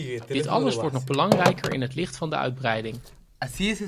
Dit alles wordt nog belangrijker in het licht van de uitbreiding.